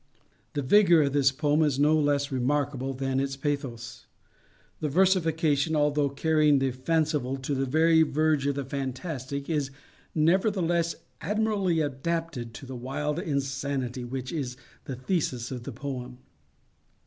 The vigor of this poem is no less remarkable than its pathos. The versification although carrying the fanciful to the very verge of the fantastic, is nevertheless admirably adapted to the wild insanity which is the thesis of the poem.